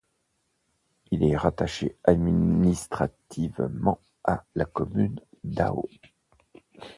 Il est rattaché administrativement à la commune d'Hao.